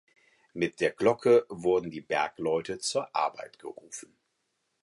Mit der Glocke wurden die Bergleute zur Arbeit gerufen.